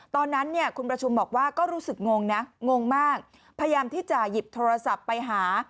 ตอนนั้นเนี่ยคุณประชุมบอกว่าก็รู้สึกงงนะงงมากพยายามที่จะหยิบโทรศัพท์ไปหา